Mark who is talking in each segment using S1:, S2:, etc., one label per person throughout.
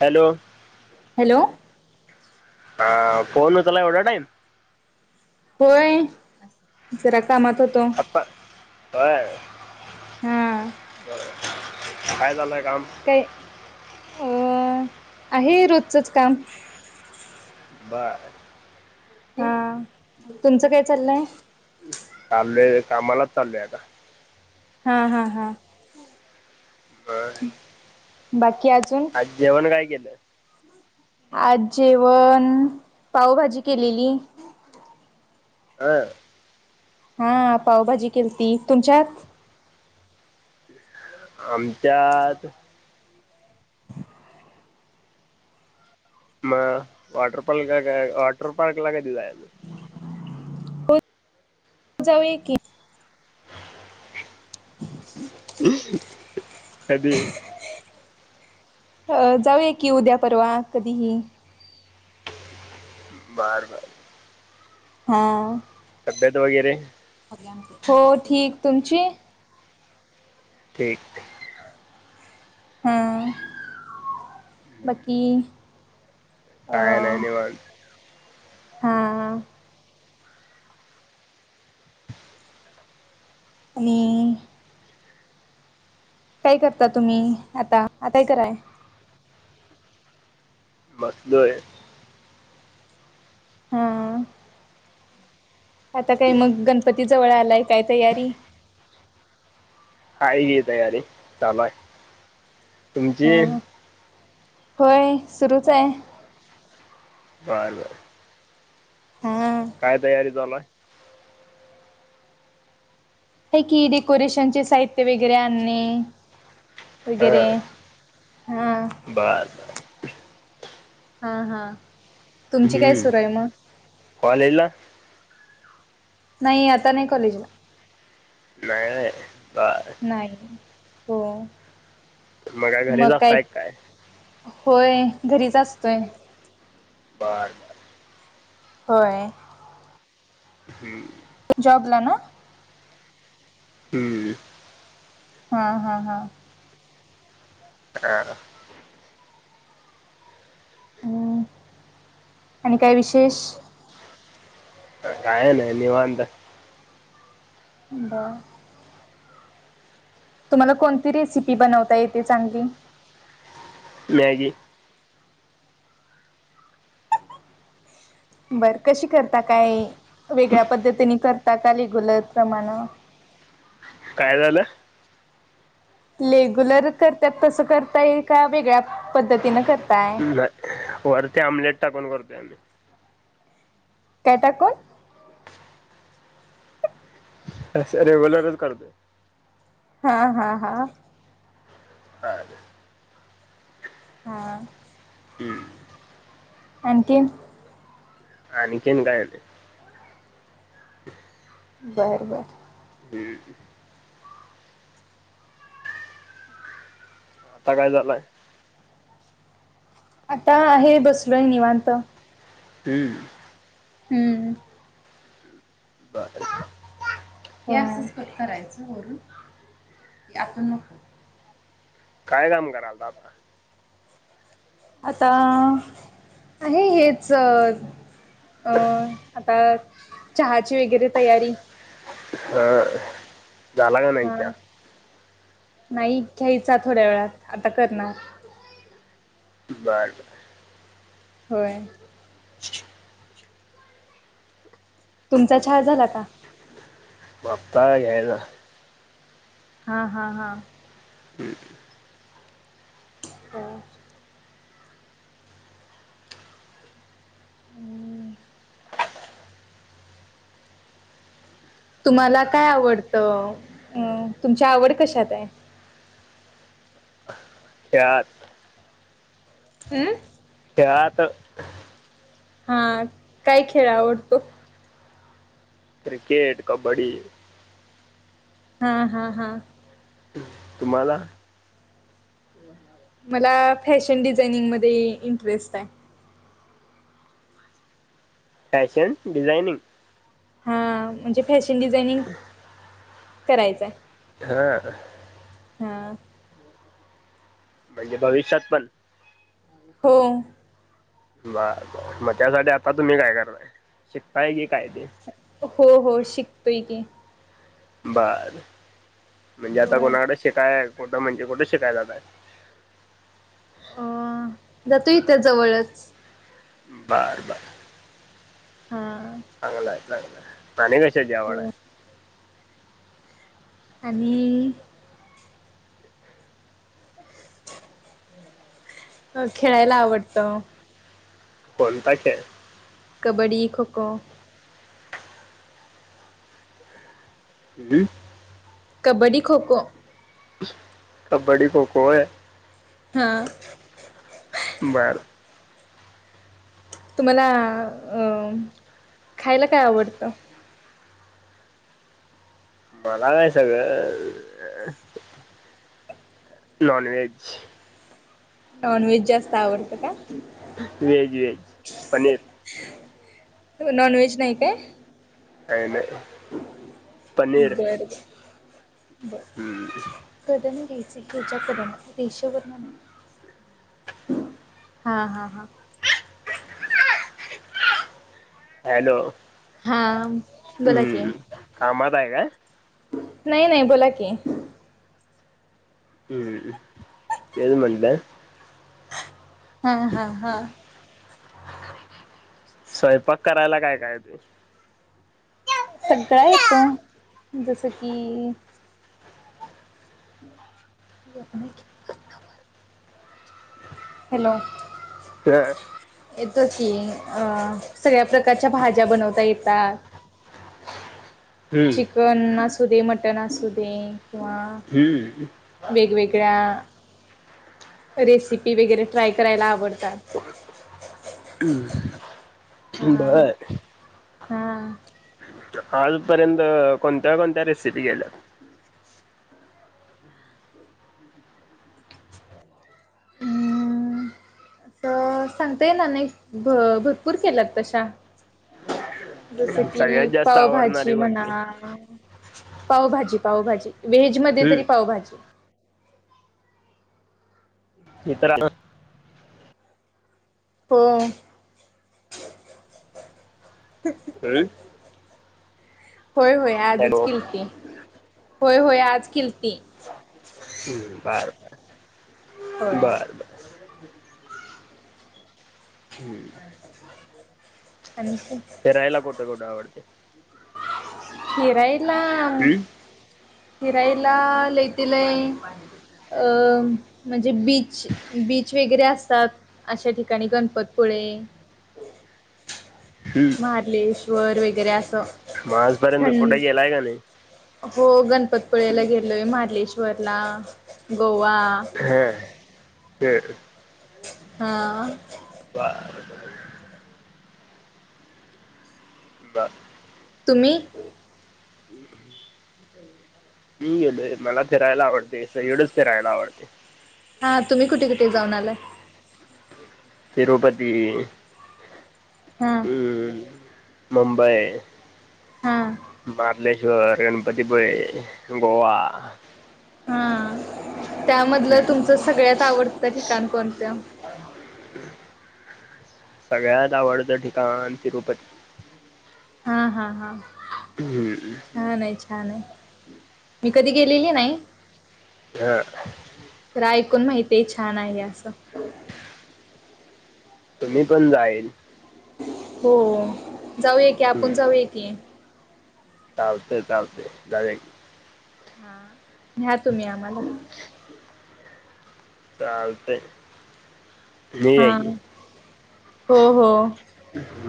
S1: Hello [inaudible]
S2: हॅ [unintelligible]
S1: ह phone होताला एवढा टाईम [inaudible]
S2: होय जरा कामात होतो
S1: हो
S2: हा
S1: [unintelligible] बर खय झालंय जाम
S2: काय
S1: [unintelligible]
S2: अ आहे रोजचच काम.
S1: बार.
S2: हा तुमचं काय चाललंय
S1: चाललेय कामालाच चाललंय आता
S2: हा हा हा
S1: बर
S2: थ बाच
S1: आज जेवण काय केलं
S2: आज जेवण पावभाजी केलेली
S1: हा
S2: हा पावभाजी केली ती तुमच्यात
S1: आमच्यात मग वॉटर पार्क वॉटर पार्क ला कधी जायच
S2: हो जाऊ की
S1: म् हदी
S2: अ जाऊया की उद्या परवा कधीही
S1: बर बर
S2: हा
S1: अब्येत वगैरे
S2: हो ठीक तुमची
S1: िक
S2: हां बाकी अ
S1: काय नाही नाही वान
S2: हा आणि काय करता तुम्ही आता आताय कराय
S1: मसलं
S2: हा आता काय मग गणपती जवळ आलाय काय तयारी
S1: का घी तयारी चालूय तुमची
S2: हा होय सुरूच आहे
S1: बर
S2: हा
S1: काय तयारी झालाय
S2: हे कि डेकोरेशन चे साहित्य वगैरे आणणे.
S1: आहे हा
S2: वगैरे हा
S1: बर बर
S2: हा हा तुमची काय
S1: हम्म
S2: सुरु आहे मग?
S1: कॉलेजला
S2: नाही आता नाही कॉलेजला.
S1: नाय नाय.
S2: नाही. हो
S1: मग काय घरीच असताय काय?
S2: होय घरीच असतोय.
S1: बर बरं.
S2: होय.
S1: हम्म
S2: जॉबला ना?
S1: हम्म.
S2: हा हा हां.
S1: हां हां
S2: हम् आणि काय विशेष.
S1: काय नाही निवांत.
S2: बरं तुम्हाला कोणती रेसिपी बनवता येते चांगली.
S1: मॅगी.
S2: बर कशी करता काय वेगळ्या पद्धतीने करता का रेग्युलर प्रमाण?
S1: काय झालं.
S2: लेग्युलर करतात तसं करता येईल का वेगळ्या पद्धतीन करताय?
S1: नाही वरती आमलेट टाकून करतोय आम्ही.
S2: काय टाकून?
S1: अस रेगुलरच करतो.
S2: हा हा हां.
S1: [unintelligible]
S2: हा.
S1: हम्म.
S2: आणखीन.
S1: आणखीन काय नाही.
S2: बरं बरं.
S1: हम्म. आता काय झालाय?
S2: आता आहे बसलोय निवांत.
S1: हम्म.
S2: हम्म.
S1: बरं
S2: हे असच कट करायचं वरून हे आपण नको
S1: काय काम करालता आता.
S2: आता आहे हेच अ अ आता चहाची वगैरे तयारी.
S1: हां. झाला का नाही
S2: हा
S1: चहा.
S2: नाही घ्यायचा थोड्या वेळात आता करणार.
S1: बर.
S2: होय.
S1: [unintelligible]
S2: तुमचा चहा झाला का?
S1: [unintelligible]
S2: हा हा हा.
S1: हम्म.
S2: ह. आणि तुम्हाला काय आवडतं? अ ऊ तुमची आवड कशात आहे?
S1: त्यात.
S2: हम्म.
S1: त्यात
S2: हा काय खेळ आवडतो?
S1: क्रिकेट, कबड्डी.
S2: हा हा हा.
S1: तुम्हाला?
S2: मला फॅशन डिझाइनिंग मध्ये इंटरेस्ट आहे.
S1: Fashion designing?
S2: हा म्हणजे फॅशन डिझाइनिंग करायचंय.
S1: हा.
S2: हां.
S1: म्हणजे भविष्यात पण?
S2: हो.
S1: ब ब मग त्यासाठी आता तुम्ही काय करताय? शिकताय की काय ते
S2: हो हो शिक तिके.
S1: बर. म्हणजे आता
S2: होय
S1: कोणाकड शिकाय कुठं म्हणजे कुठे शिकायला जाताय?
S2: अ जातो इ त्या जवळच
S1: बर बर.
S2: हा
S1: नाही नाही. आणि कशाची आवड आहे?
S2: हो आणि? अ खेळायला आवडतं
S1: कोणता खेळ?
S2: कबड्डी, खो खो.
S1: हम्म.
S2: कबड्डी, खो खो.
S1: कबड्डी, खो खो होय.
S2: हा.
S1: बर.
S2: तुम्हाला अ खायला काय आवडतं?
S1: मला काय सगळ नॉन व्हेज
S2: नॉनव्हेज जास्त आवडतं का
S1: veg veg paneer
S2: non veg नाही काय
S1: अले
S2: बर
S1: हं.
S2: घदन घ च्याक रेषेवरन नाही हा हा ह
S1: हॅलो
S2: हा बोला की
S1: हं. [unintelligible]
S2: नाही नाही बोला कि
S1: हम्म तेच म्हणलं
S2: हा हा हा.
S1: स्वयपाक करायलाका काय तू?
S2: सगळा येतो, जसं की [unintelligible] हॅलो
S1: [unintelligible]
S2: येतो की, अ सगळ्या प्रकारच्या भाज्या बनवता येत तात.
S1: हम्म
S2: चिकन असू कधी मटण असू दे किंवा
S1: हम्म
S2: वेगवेगळ्या रेसिपी वगैरे ट्राय करायला आवडतात.
S1: ह बर.
S2: हा.
S1: आजपर्यंत कोणत्या कोणत्या रेसिपी केल्या?
S2: [unintelligible] हूं, अस सांगता येणार नाही, भ भरपूर केल्यात तशा. जस
S1: सगळ्यात
S2: की
S1: जास्त
S2: पावभाजी
S1: आवडणारी
S2: म्हणा,
S1: कोणती
S2: पावभाजी-पावभाजी. व्हेज मध्ये
S1: हम्म
S2: तरी पावभाजी.
S1: इतरांना
S2: हो.
S1: [unintelligible]
S2: होय होय, आजच
S1: हॅलो
S2: किलती. होय होय आज कि ते
S1: हम्म, बर बर.
S2: होय.
S1: बरं बरं. हं
S2: आणखी
S1: फिरायला कुठं कुठं आवडतं. [inaudible]
S2: फिरायला फिरायला लय तं लय अं म्हणजे बीच बीच वगैरे असतात, अशा ठिकाणी गणपतपुळे
S1: हम्म
S2: मारलेश्वर वगैरे असं
S1: मग आजपर्यंत
S2: हम्म,
S1: कुठे गेलाय का नाही
S2: हो गणपतीपुळ्याला गेलोय मारलेश्वर ला ग वा
S1: हं
S2: हा
S1: वा बर
S2: तुम्ही
S1: मी गेलोय मला फिरायला आवडतय, सगळीकडंच फिरायला आवडतय.
S2: हा तुम्ही कुठे कुठे जाऊन आलाय.
S1: तिरूपती
S2: हा
S1: हम्म मुंबई
S2: हां
S1: मारलेश्वर, गणपतीपुळे, गोवा
S2: हा त्यामधलं
S1: हम्म.
S2: तुमचं सगळ्यात आवडतं ठिकाण कोणतं?
S1: सगळ्यात आवडतं ठिकाण तिरुपती.
S2: हा हा हा
S1: हम्म.
S2: छान आहेच छान आहे मी कधी गेलेली नाही.
S1: हा
S2: तर ऐकून माहिती छान आहे असं
S1: तुम्ही पण जाईल.
S2: हो जाऊया की, आपण जाऊया की
S1: चालतय चालतय जाऊया की
S2: हं घ्या तुम्ही आम्हाला
S1: चालतंय. निऊया
S2: हा
S1: की.
S2: हो हो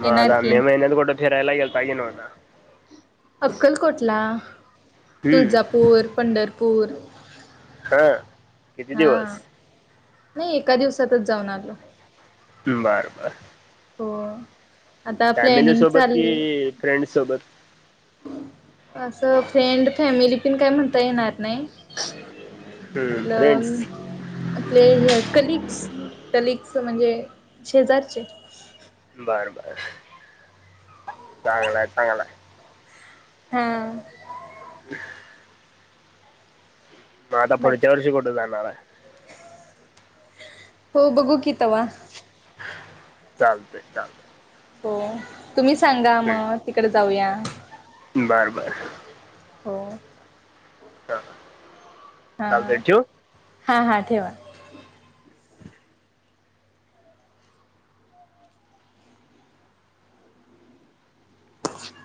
S1: म
S2: येणार
S1: आता
S2: की
S1: मे महिन्यात कुठं फिरायला गेलता की नव्हता?
S2: अक्कलकोटला.
S1: हम्म.
S2: तुळजापूर, पंढर पूर.
S1: हां. किती दिवस.
S2: नाही एका दिवसातच जाऊन आलो.
S1: बरं. बरं.
S2: हो. आता
S1: फॅमिली
S2: प्लॅनिंग
S1: सोबत
S2: चालली
S1: कि. फ्रेंड्स सोबत.
S2: असं फ्रेंड फॅमिली पिण काय म्हणता येणार नाही
S1: हम्म. फ्रेंड्स
S2: आपलं आपले कलीगस. कलिकस म्हणजे? शेजारचे.
S1: बरं-बरं चांगलाय हाय. चांगला आहे.
S2: हा.
S1: ह [unintelligible] म आता
S2: बाय
S1: पुढच्या वर्षी कुठं जाणार आहे.
S2: हो बघू की तवा.
S1: चालतंय चालतंय.
S2: हो. तुम्ही सांगा मग तिकडे जाऊया?
S1: हम्म. बरं बरं
S2: हो.
S1: हा. चालतंय ठेवू.
S2: हा-हा ठेवा. ह [unintelligible]